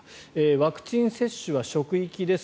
ワクチン接種は職域です。